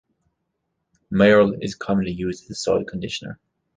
Maerl is commonly used as a soil conditioner.